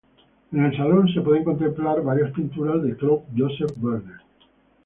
En el salón se pueden contemplar varias pinturas de Claude Joseph Vernet.